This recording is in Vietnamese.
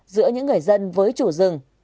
giữa những người dân với chủ rừng